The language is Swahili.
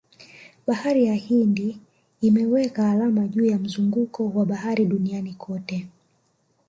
Bahari ya Hindi imeweka alama juu ya mzunguko wa bahari duniani kote